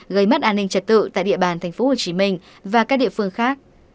gây mất an ninh trật tự tại địa bàn tp hcm và các địa phương khác